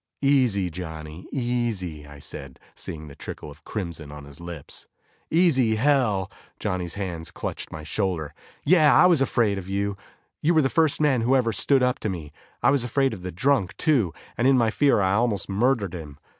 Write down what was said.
"Easy, Johnny, easy," I said, seeing the trickle of crimson on his lips. "Easy, hell!" Johnny's hands clutched my shoulder. "Yeah, I was afraid of you; you were the first man who ever stood up to me. I was afraid of the drunk, too, and in my fear I almost murdered him.